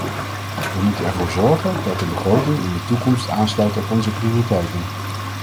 We moeten ervoor zorgen dat de begroting in de toekomst aansluit op onze prioriteiten.